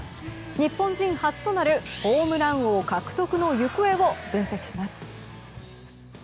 日本人初となるホームラン王獲得の行方を分析します。